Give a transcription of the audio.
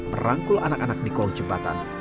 merangkul anak anak di kolong jembatan